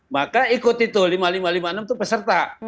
maka ikut itu lima ribu lima ratus lima puluh enam itu peserta